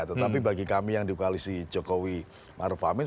tetapi bagi kami yang di koalisi jokowi maruf amin